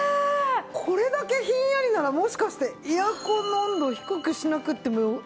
これだけひんやりならもしかしてエアコンの温度低くしなくてもいいですね。